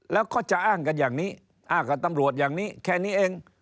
แล้วก็จะอ้างกันอย่างนี้อ้างกับตำรวจอย่างนี้แค่นี้เอง